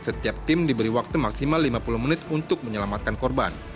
setiap tim diberi waktu maksimal lima puluh menit untuk menyelamatkan korban